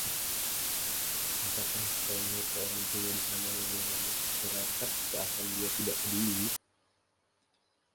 Apakah kau lihat seorang pria di sana yang lengannya terangkat seakan dia tidak peduli?